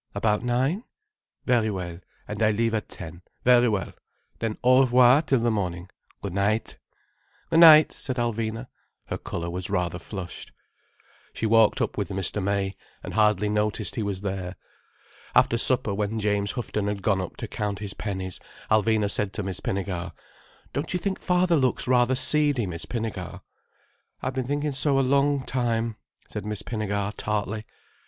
"About nine?" "Very well, and I leave at ten. Very well. Then au revoir till the morning. Good night." "Good night," said Alvina. Her colour was rather flushed. She walked up with Mr. May, and hardly noticed he was there. After supper, when James Houghton had gone up to count his pennies, Alvina said to Miss Pinnegar: "Don't you think father looks rather seedy, Miss Pinnegar?" "I've been thinking so a long time," said Miss Pinnegar tartly.